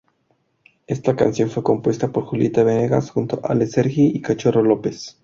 Está canción fue compuesta por Julieta Venegas junto a Ale Sergi y Cachorro López.